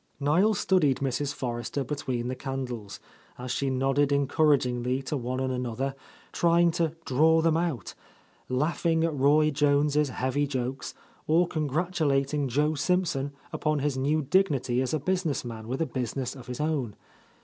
Niel studied Mrs. Forrester between the can dles, as she nodded encouragingly to one and another, trying to "draw them out," laughing at Roy Jones' heavy jokes, or congratulating Joe Simpson upon his new dignity as a business man with a business of his own.